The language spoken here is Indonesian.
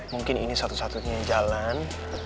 mungkin ini satu satunya jalan